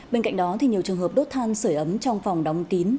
bên cạnh đó thì nhiều trường hợp đốt than sởi ấm trong phòng đóng kín